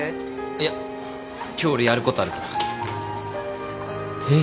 いや今日俺やることあるからえっ？